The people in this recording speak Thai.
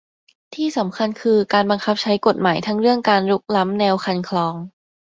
ที่สำคัญคือการบังคับใช้กฎหมายทั้งเรื่องการรุกล้ำแนวคันคลอง